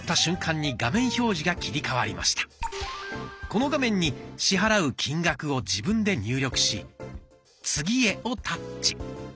この画面に支払う金額を自分で入力し「次へ」をタッチ。